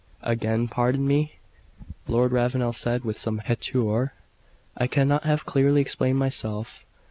"Again pardon me," Lord Ravenel said with some hauteur; "I cannot have clearly explained myself.